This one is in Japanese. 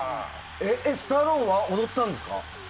スタローンは踊ったんですか？